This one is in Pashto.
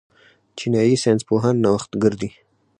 چینايي ساینس پوهان نوښتګر دي.